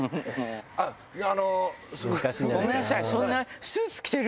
あの。ごめんなさい。